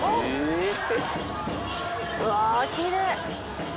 うわぁきれい。